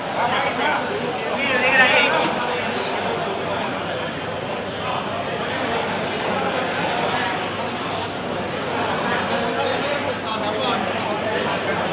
ช่องขึ้นแกรมไว้ว่าเอาให้รถ